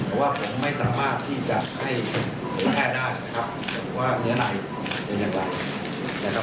เพราะว่าผมไม่สามารถที่จะให้แพทย์ได้นะครับว่าเนื้อในเป็นอย่างไรนะครับ